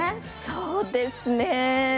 そうですね。